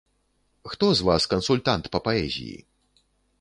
Хто з вас кансультант па паэзіі?